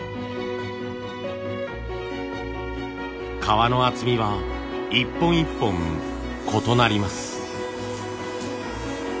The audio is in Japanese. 皮の厚みは一本一本異なります。